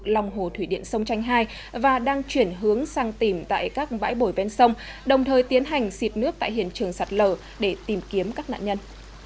lòng hồ thủy điện sông tranh hai và đang chuyển hướng sang tìm tại các bãi bồi ven sông đồng thời tiến hành xịt nước tại hiện trường sạt lở để tìm kiếm các nạn nhân